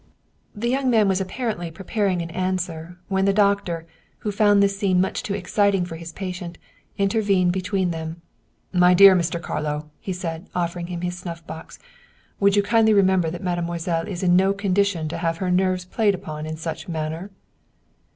" The young man was apparently preparing an answer, when the doctor, who found this scene much too exciting for his patient, intervened between them. " My dear Mr. Carlo," he said, offering him his snuff box, " would you kindly remember that mademoiselle is in no condition to have her nerves played upon in such manner?